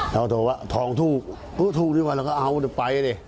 แล้วโทรว่าทองถูกถูกดีกว่าเราก็เอาไปเลย